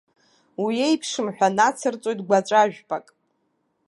Уиеиԥшым ҳәа нацырҵоит гәаҵәажәпак.